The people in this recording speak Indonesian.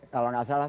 kalau nggak salah